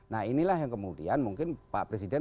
nah inilah yang kemudian mungkin pak presiden